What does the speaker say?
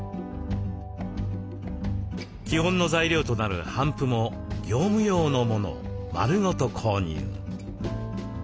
基本の材料となる帆布も業務用のものを丸ごと購入。